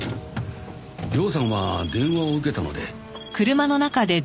涼さんは電話を受けたので。